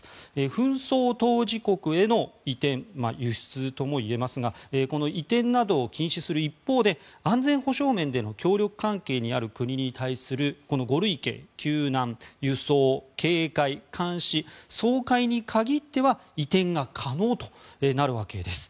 紛争当事国への移転輸出とも言えますがこの移転などを禁止する一方で安全保障面での協力関係にある国に対するこの５類型救難、輸送、警戒、監視掃海に限っては移転が可能となるわけです。